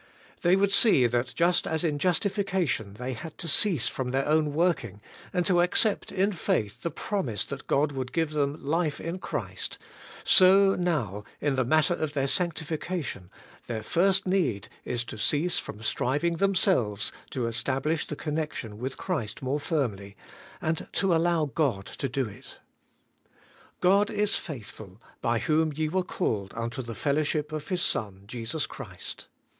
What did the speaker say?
They would see that just as in jus tification they had to cease from their own working, and to accept in faith the promise that God would give them life in Christ, so now, in the matter of their sanctification, their first need is to cease from striving tJiemselves to estaUish the connection ivith Christ 7nore firmly^ and to allow God to do it. 'God is faithful, by whom ye were called unto the fellow ship of His Son Jesus Christ.'